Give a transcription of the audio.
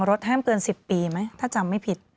ห้ามเกิน๑๐ปีไหมถ้าจำไม่ผิด